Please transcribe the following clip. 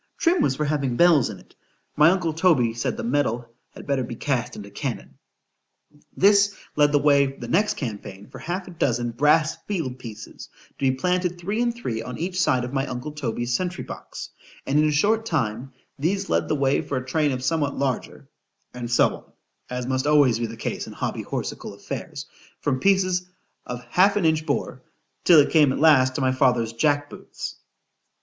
——Trim was for having bells in it;——my uncle Toby said, the metal had better be cast into cannon. This led the way the next campaign for half a dozen brass field pieces, to be planted three and three on each side of my uncle Toby's sentry box; and in a short time, these led the way for a train of somewhat larger,—and so on—(as must always be the case in hobby horsical affairs) from pieces of half an inch bore, till it came at last to my father's jack boots.